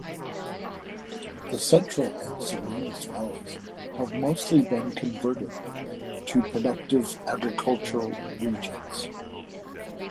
The Central and Salinas valleys have mostly been converted to productive agricultural regions.